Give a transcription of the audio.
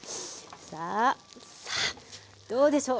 さあさあどうでしょう。